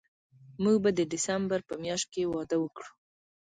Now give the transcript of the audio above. موږ به د ډسمبر په میاشت کې واده وکړو